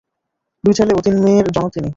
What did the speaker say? দুই ছেলে ও তিন মেয়ের জনক তিনি।